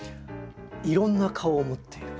いろんな顔を持っている。